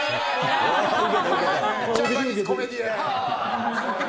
ジャパニーズコメディアン。